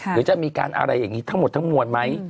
หรือจะมีการอะไรอย่างนี้ทั้งหมดทั้งมวลไหม